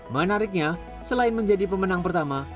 menariknya selain menjadi pemenang pertama